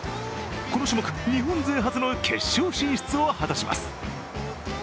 この種目、日本勢初の決勝進出を果たします。